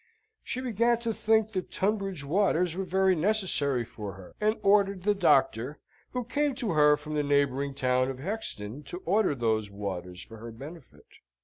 She began to think the Tunbridge waters were very necessary for her, and ordered the doctor, who came to her from the neighbouring town of Hexton, to order those waters for her benefit.